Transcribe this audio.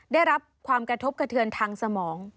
ได้รับความกระทบกระเทือนทางสมอง